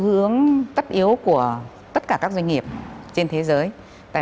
nhưng mà chúng ta cứ từ từ và chúng ta biết thế mạnh chúng ta ở đâu